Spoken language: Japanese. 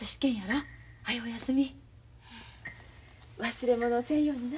忘れ物せんようにな。